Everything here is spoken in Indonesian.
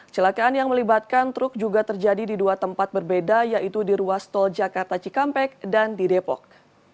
celakaan yang melibatkan truk juga terjadi di dua tempat berbeda yaitu di ruas tol jakarta cikampek dan di depok